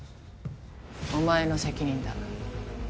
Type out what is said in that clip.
お前の責任だ